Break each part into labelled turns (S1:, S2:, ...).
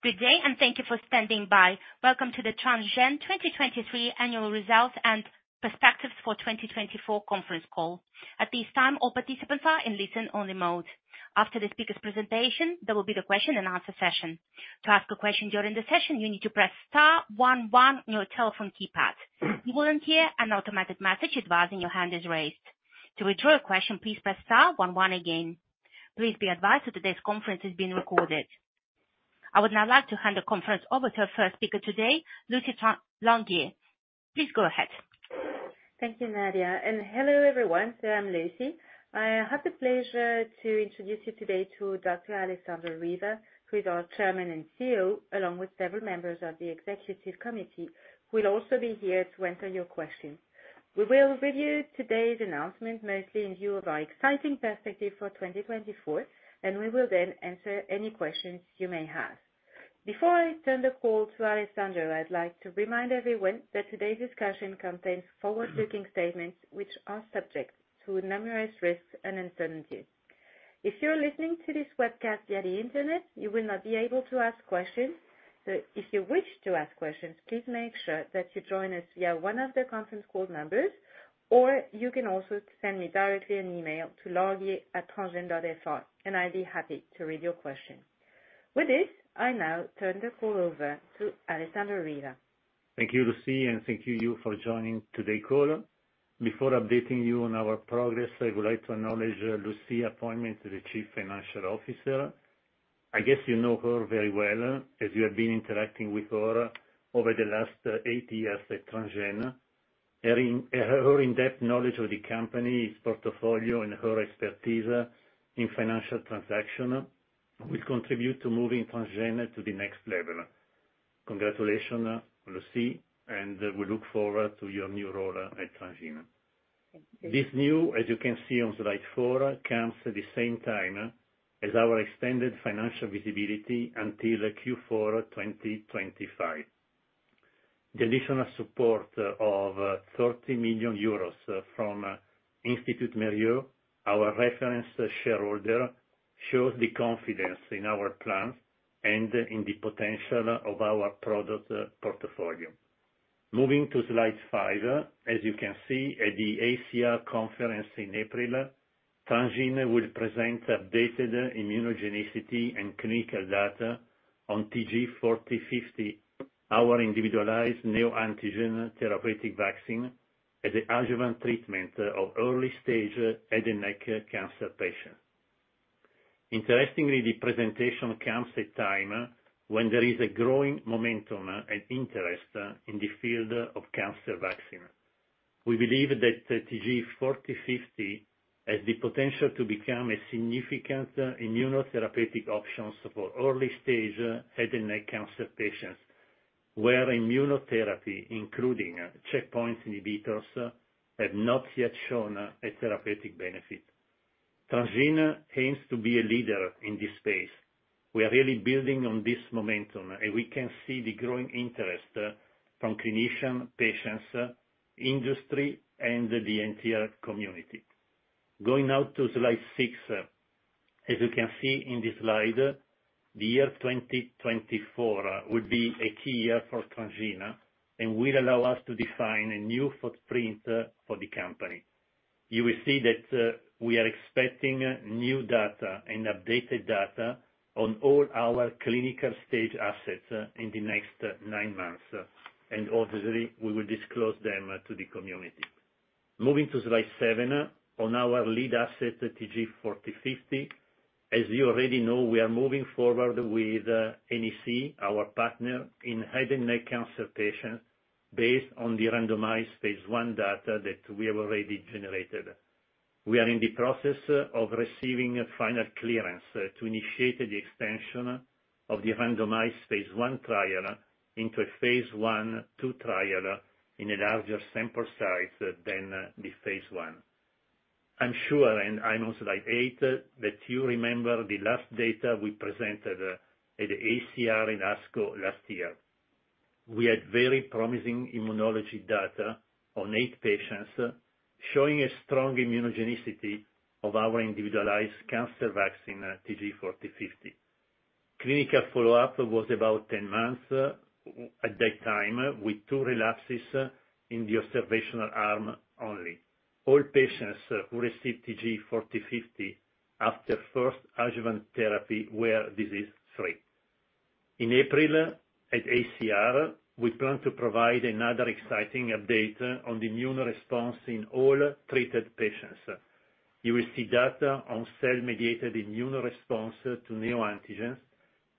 S1: Good day and thank you for standing by. Welcome to the Transgene 2023 Annual Results and Perspectives for 2024 conference call. At this time, all participants are in listen-only mode. After the speaker's presentation, there will be the question-and-answer session. To ask a question during the session, you need to press star 11 on your telephone keypad. You will then hear an automated message advising your hand is raised. To withdraw a question, please press star 11 again. Please be advised that today's conference is being recorded. I would now like to hand the conference over to our first speaker today, Lucie Larguier. Please go ahead.
S2: Thank you, Nadia. Hello, everyone. I'm Lucie. I have the pleasure to introduce you today to Dr. Alessandro Riva, who is our Chairman and CEO, along with several members of the executive committee, who will also be here to answer your questions. We will review today's announcement mostly in view of our exciting perspective for 2024, and we will then answer any questions you may have. Before I turn the call to Alessandro, I'd like to remind everyone that today's discussion contains forward-looking statements which are subject to numerous risks and uncertainties. If you're listening to this webcast via the internet, you will not be able to ask questions. So if you wish to ask questions, please make sure that you join us via one of the conference call members, or you can also send me directly an email to larguier@transgene.fr, and I'd be happy to read your question. With this, I now turn the call over to Alessandro Riva.
S3: Thank you, Lucie, and thank you, you, for joining today's call. Before updating you on our progress, I would like to acknowledge Lucie's appointment as the Chief Financial Officer. I guess you know her very well as you have been interacting with her over the last eight years at Transgene. Her in-depth knowledge of the company's portfolio and her expertise in financial transaction will contribute to moving Transgene to the next level. Congratulations, Lucie, and we look forward to your new role at Transgene.
S2: Thank you.
S3: This new, as you can see on slide four, comes at the same time as our extended financial visibility until Q4 2025. The additional support of 30 million euros from Institut Mérieux, our reference shareholder, shows the confidence in our plans and in the potential of our product portfolio. Moving to slide five, as you can see at the AACR conference in April, Transgene will present updated immunogenicity and clinical data on TG4050, our individualized neoantigen therapeutic vaccine as an adjuvant treatment of early-stage head and neck cancer patients. Interestingly, the presentation comes at a time when there is a growing momentum and interest in the field of cancer vaccine. We believe that TG4050 has the potential to become a significant immunotherapeutic option for early-stage head and neck cancer patients, where immunotherapy, including checkpoint inhibitors, has not yet shown a therapeutic benefit. Transgene aims to be a leader in this space. We are really building on this momentum, and we can see the growing interest from clinicians, patients, industry, and the entire community. Going now to slide six. As you can see in this slide, the year 2024 will be a key year for Transgene and will allow us to define a new footprint for the company. You will see that we are expecting new data and updated data on all our clinical-stage assets in the next nine months, and obviously, we will disclose them to the community. Moving to slide seven. On our lead asset, TG4050, as you already know, we are moving forward with NEC, our partner, in head and neck cancer patients based on the randomized phase I data that we have already generated. We are in the process of receiving final clearance to initiate the extension of the randomized phase I trial into a phase II trial in a larger sample size than the phase I. I'm sure, and I'm on slide eight, that you remember the last data we presented at the AACR and ASCO last year. We had very promising immunology data on eight patients showing a strong immunogenicity of our individualized cancer vaccine, TG4050. Clinical follow-up was about 10 months at that time, with two relapses in the observational arm only. All patients who received TG4050 after first adjuvant therapy were disease-free. In April, at AACR, we plan to provide another exciting update on the immune response in all treated patients. You will see data on cell-mediated immune response to neoantigen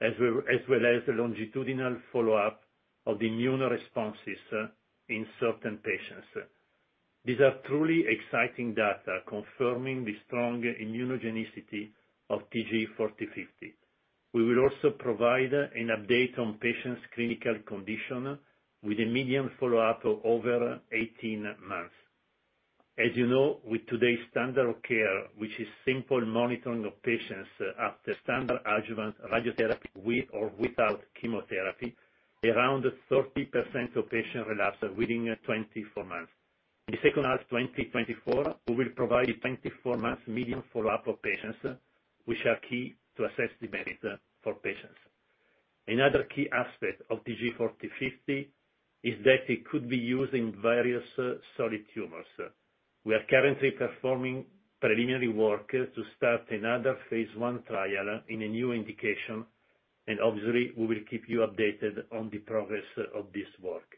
S3: as well as the longitudinal follow-up of the immune responses in certain patients. These are truly exciting data confirming the strong immunogenicity of TG4050. We will also provide an update on patients' clinical condition with a median follow-up over 18 months. As you know, with today's standard of care, which is simple monitoring of patients after standard adjuvant radiotherapy with or without chemotherapy, around 30% of patients relapse within 24 months. In the second half of 2024, we will provide a 24-month median follow-up of patients, which are key to assess the benefit for patients. Another key aspect of TG4050 is that it could be used in various solid tumors. We are currently performing preliminary work to start another Phase I trial in a new indication, and obviously, we will keep you updated on the progress of this work.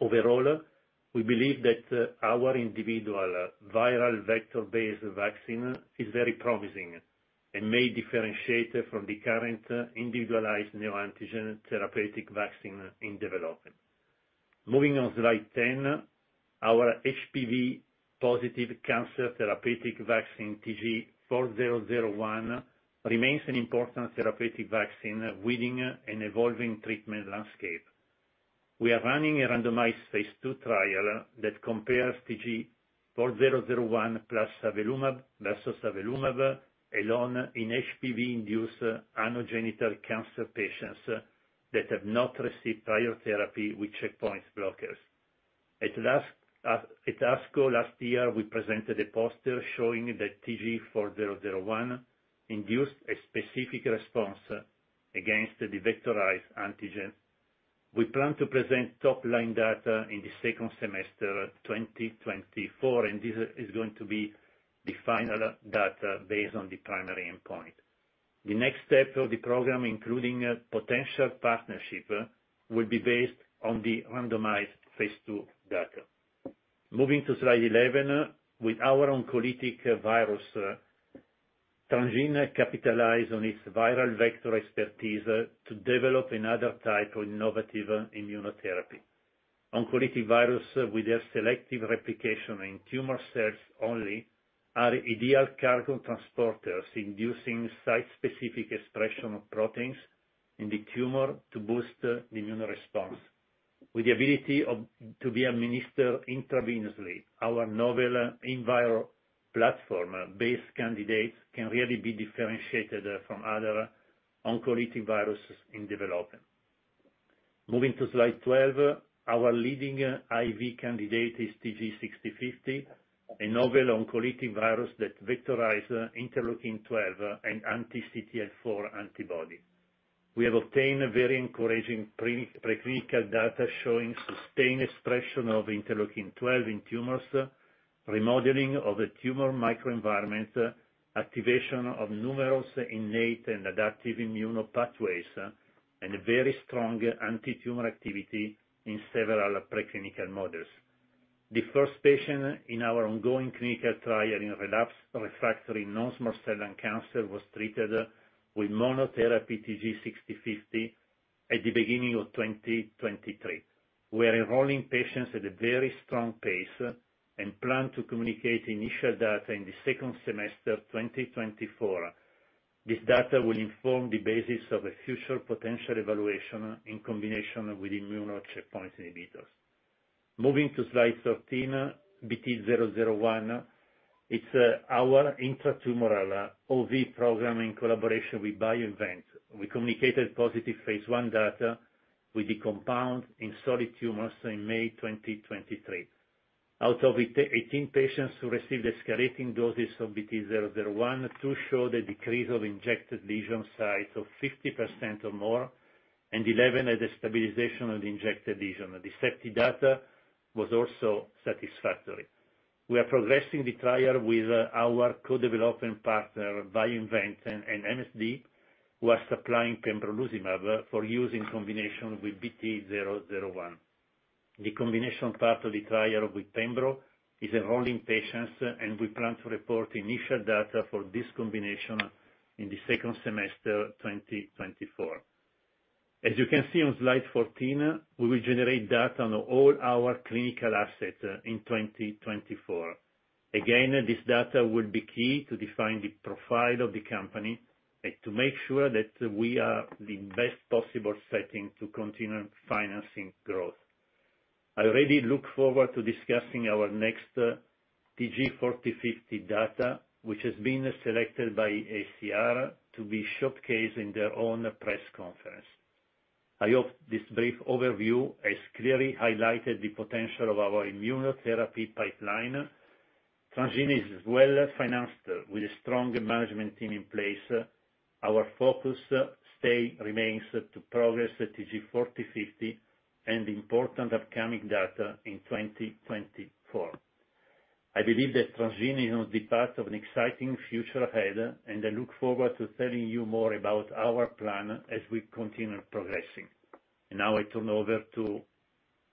S3: Overall, we believe that our individual viral vector-based vaccine is very promising and may differentiate from the current individualized neoantigen therapeutic vaccine in development. Moving on to slide 10. Our HPV-positive cancer therapeutic vaccine, TG4001, remains an important therapeutic vaccine within an evolving treatment landscape. We are running a randomized phase II trial that compares TG4001 plus avelumab versus avelumab alone in HPV-induced anogenital cancer patients that have not received prior therapy with checkpoint blockers. At ASCO last year, we presented a poster showing that TG4001 induced a specific response against the vectorized antigen. We plan to present top-line data in the second semester 2024, and this is going to be the final data based on the primary endpoint. The next step of the program, including potential partnership, will be based on the randomized Phase II data. Moving to slide 11. With our oncolytic virus, Transgene capitalizes on its viral vector expertise to develop another type of innovative immunotherapy. Oncolytic virus, with their selective replication in tumor cells only, are ideal cargo transporters inducing site-specific expression of proteins in the tumor to boost the immune response. With the ability to be administered intravenously, our novel Invir.IO platform-based candidates can really be differentiated from other oncolytic viruses in development. Moving to slide 12. Our leading IV candidate is TG6050, a novel oncolytic virus that vectorizes interleukin-12 and anti-CTLA-4 antibody. We have obtained very encouraging preclinical data showing sustained expression of interleukin-12 in tumors, remodeling of the tumor microenvironment, activation of numerous innate and adaptive immunopathways, and very strong antitumor activity in several preclinical models. The first patient in our ongoing clinical trial in refractory non-small cell lung cancer was treated with monotherapy TG6050 at the beginning of 2023. We are enrolling patients at a very strong pace and plan to communicate initial data in the second semester 2024. This data will inform the basis of a future potential evaluation in combination with immuno checkpoint inhibitors. Moving to slide 13, BT001. It's our intratumoral OV program in collaboration with BioInvent. We communicated positive phase I data with the compound in solid tumors in May 2023. Out of 18 patients who received escalating doses of BT001, 2 showed a decrease of injected lesion size of 50% or more, and 11 had a stabilization of the injected lesion. The SEPTI data was also satisfactory. We are progressing the trial with our co-development partner, BioInvent, and MSD, who are supplying pembrolizumab for use in combination with BT001. The combination part of the trial with Pembro is enrolling patients, and we plan to report initial data for this combination in the second semester 2024. As you can see on slide 14, we will generate data on all our clinical assets in 2024. Again, this data will be key to define the profile of the company and to make sure that we are in the best possible setting to continue financing growth. I already look forward to discussing our next TG4050 data, which has been selected by AACR to be showcased in their own press conference. I hope this brief overview has clearly highlighted the potential of our immunotherapy pipeline. Transgene is well financed with a strong management team in place. Our focus remains to progress TG4050 and important upcoming data in 2024. I believe that Transgene is on the path of an exciting future ahead, and I look forward to telling you more about our plan as we continue progressing. Now I turn over to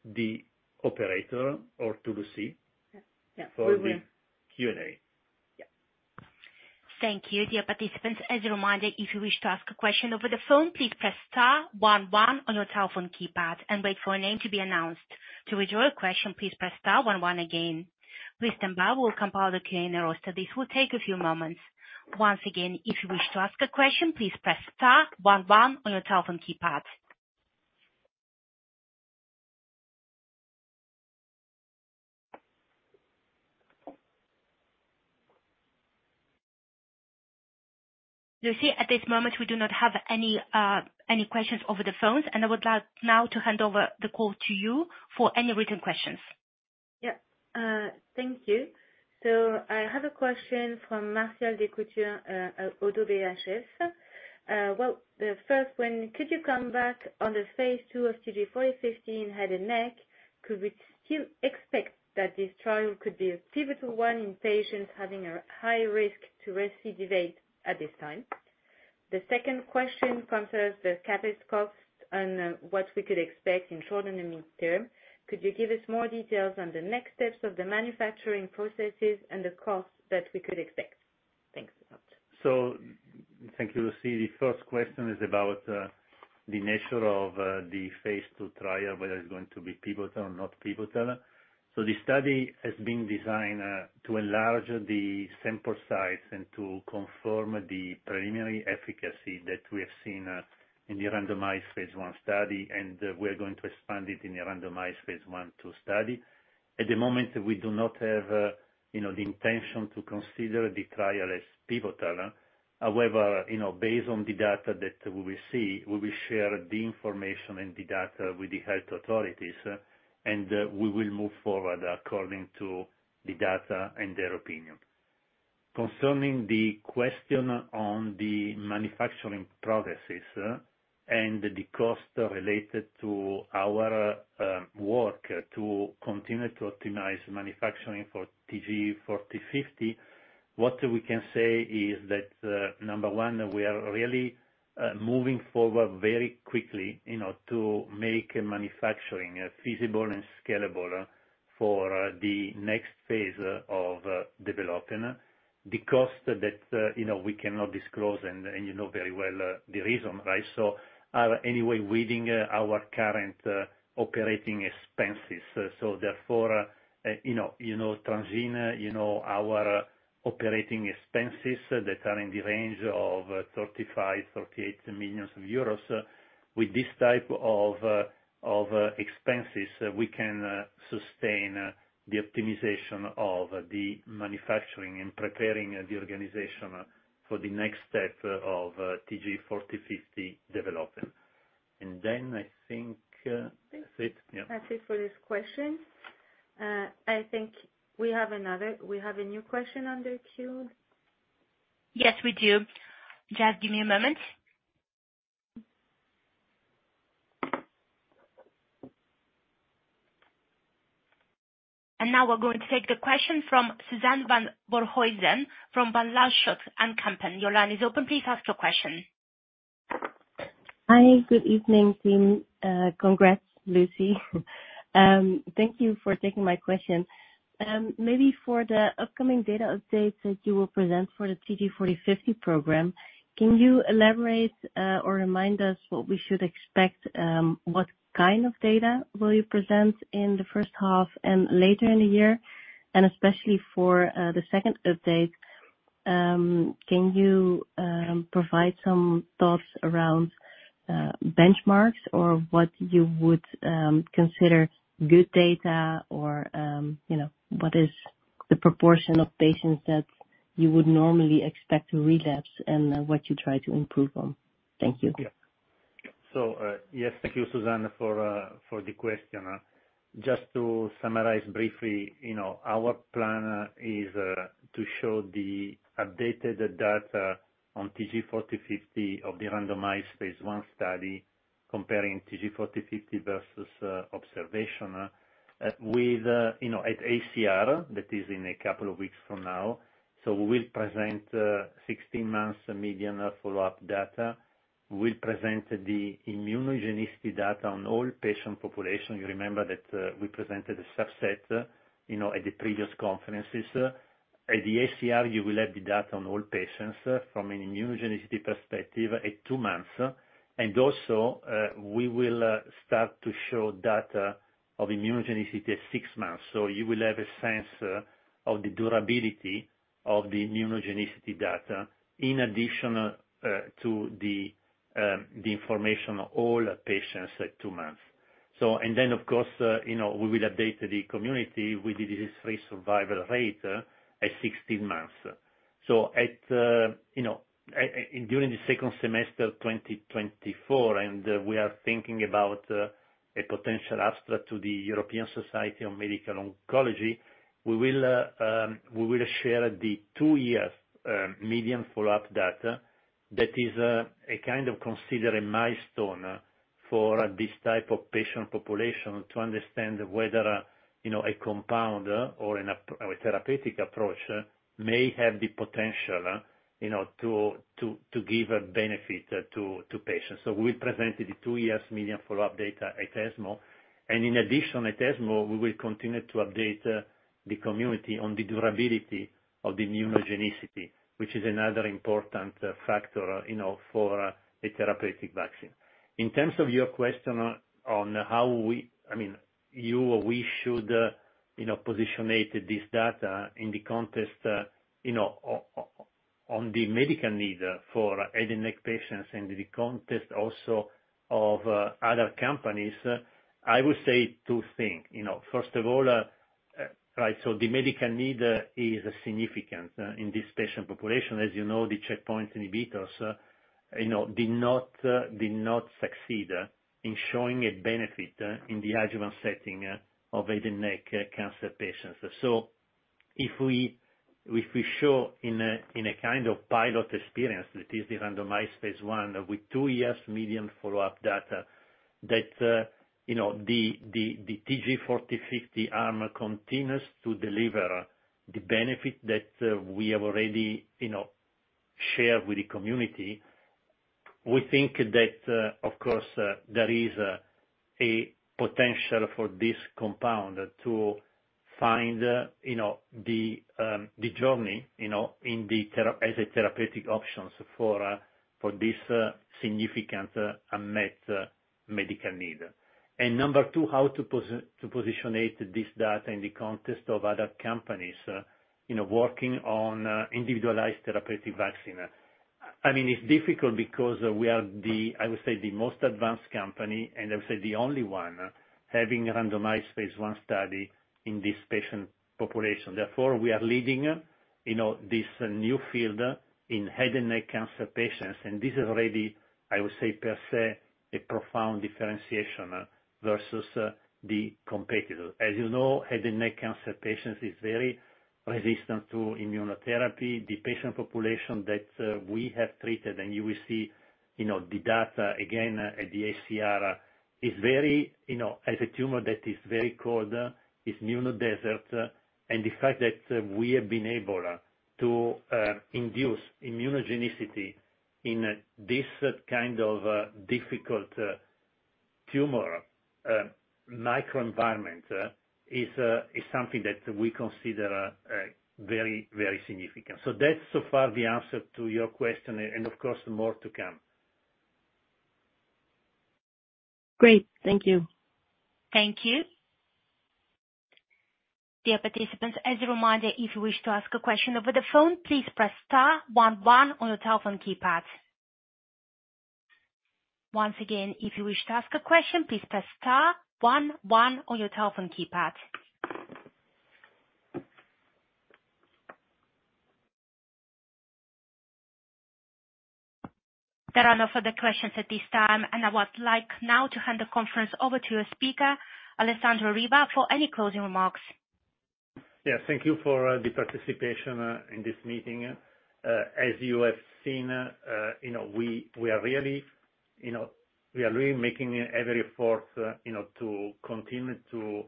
S3: the operator or to Lucie for the Q&A.
S1: Yep. Thank you, dear participants. As a reminder, if you wish to ask a question over the phone, please press star 11 on your telephone keypad and wait for a name to be announced. To withdraw a question, please press star 11 again. Listen back. We'll compile the Q&A roster. This will take a few moments. Once again, if you wish to ask a question, please press star 11 on your telephone keypad. Lucie, at this moment, we do not have any questions over the phones, and I would like now to hand over the call to you for any written questions.
S2: Yep. Thank you. So I have a question from Martial Descoutures, ODDO BHF. Well, the first one, could you come back on the phase II of TG4050 in head and neck? Could we still expect that this trial could be a pivotal one in patients having a high risk to recidivate at this time? The second question concerns the CapEx costs and what we could expect in short- and mid-term. Could you give us more details on the next steps of the manufacturing processes and the costs that we could expect? Thanks a lot.
S3: So thank you, Lucie. The first question is about the nature of the phase II trial, whether it's going to be pivotal or not pivotal. So the study has been designed to enlarge the sample size and to confirm the preliminary efficacy that we have seen in the randomized phase I study, and we are going to expand it in the randomized phase II study. At the moment, we do not have the intention to consider the trial as pivotal. However, based on the data that we will see, we will share the information and the data with the health authorities, and we will move forward according to the data and their opinion. Concerning the question on the manufacturing processes and the cost related to our work to continue to optimize manufacturing for TG4050, what we can say is that, number one, we are really moving forward very quickly to make manufacturing feasible and scalable for the next phase of development. The cost that we cannot disclose, and you know very well the reason, right? So are anyway within our current operating expenses. So therefore, Transgene, our operating expenses that are in the range of 35 million-38 million euros, with this type of expenses, we can sustain the optimization of the manufacturing and preparing the organization for the next step of TG4050 development. And then I think that's it. Yeah.
S2: That's it for this question. I think we have another. We have a new question on the queue.
S1: Yes, we do. Jaz, give me a moment. Now we're going to take the question from Suzanne van Voorthuizen from Van Lanschot Kempen. Your line is open. Please ask your question.
S4: Hi. Good evening, team. Congrats, Lucie. Thank you for taking my question. Maybe for the upcoming data updates that you will present for the TG4050 program, can you elaborate or remind us what we should expect? What kind of data will you present in the first half and later in the year? And especially for the second update, can you provide some thoughts around benchmarks or what you would consider good data or what is the proportion of patients that you would normally expect to relapse and what you try to improve on? Thank you.
S3: Yeah. So yes, thank you, Suzanne, for the question. Just to summarize briefly, our plan is to show the updated data on TG4050 of the randomized phase I study comparing TG4050 versus observation at AACR, that is in a couple of weeks from now. So we will present 16-month median follow-up data. We will present the immunogenicity data on all patient population. You remember that we presented a subset at the previous conferences. At the AACR, you will have the data on all patients from an immunogenicity perspective at two months. And also, we will start to show data of immunogenicity at six months. So you will have a sense of the durability of the immunogenicity data in addition to the information on all patients at two months. And then, of course, we will update the community with the disease-free survival rate at 16 months. So during the second semester 2024, and we are thinking about a potential abstract to the European Society of Medical Oncology, we will share the two-year median follow-up data that is a kind of considered a milestone for this type of patient population to understand whether a compound or a therapeutic approach may have the potential to give a benefit to patients. So we will present the two-year median follow-up data at ESMO. And in addition, at ESMO, we will continue to update the community on the durability of the immunogenicity, which is another important factor for a therapeutic vaccine. In terms of your question on how we I mean, you or we should position this data in the context of the medical need for head and neck patients and in the context also of other companies, I would say two things. First of all, right, so the medical need is significant in this patient population. As you know, the checkpoint inhibitors did not succeed in showing a benefit in the adjuvant setting of head and neck cancer patients. So if we show in a kind of pilot experience, that is the randomized phase I with 2-year median follow-up data, that the TG4050 arm continues to deliver the benefit that we have already shared with the community, we think that, of course, there is a potential for this compound to find the journey as a therapeutic option for this significant unmet medical need. And number two, how to position this data in the context of other companies working on individualized therapeutic vaccine. I mean, it's difficult because we are, I would say, the most advanced company, and I would say the only one having randomized phase I study in this patient population. Therefore, we are leading this new field in head and neck cancer patients. And this is already, I would say, per se, a profound differentiation versus the competitors. As you know, head and neck cancer patients are very resistant to immunotherapy. The patient population that we have treated, and you will see the data again at the AACR, is very as a tumor that is very cold, is immune desert. And the fact that we have been able to induce immunogenicity in this kind of difficult tumor microenvironment is something that we consider very, very significant. So that's so far the answer to your question, and of course, more to come.
S4: Great. Thank you.
S1: Thank you, dear participants. As a reminder, if you wish to ask a question over the phone, please press star 11 on your telephone keypad. Once again, if you wish to ask a question, please press star 11 on your telephone keypad. There are no further questions at this time. I would like now to hand the conference over to your speaker, Alessandro Riva, for any closing remarks.
S3: Yeah. Thank you for the participation in this meeting. As you have seen, we are really making every effort to continue to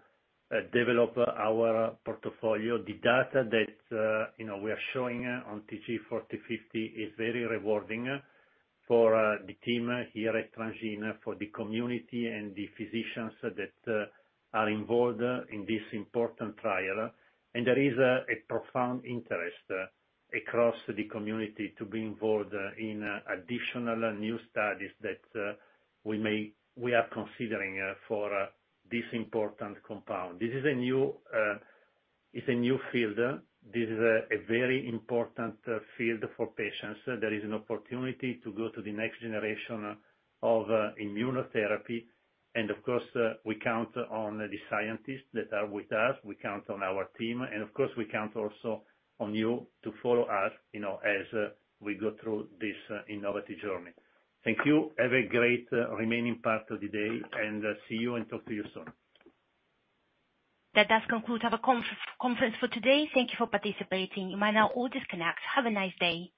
S3: develop our portfolio. The data that we are showing on TG4050 is very rewarding for the team here at Transgene, for the community, and the physicians that are involved in this important trial. There is a profound interest across the community to be involved in additional new studies that we are considering for this important compound. This is a new field. This is a very important field for patients. There is an opportunity to go to the next generation of immunotherapy. Of course, we count on the scientists that are with us. We count on our team. Of course, we count also on you to follow us as we go through this innovative journey. Thank you. Have a great remaining part of the day, and see you and talk to you soon.
S1: That does conclude our conference for today. Thank you for participating. You may now all disconnect. Have a nice day.